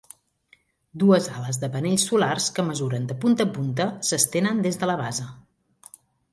Dues ales de panells solars que mesuren de punta a punta s'estenen des de la base.